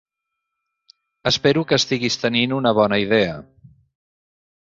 Espero que estiguis tenint una bona idea.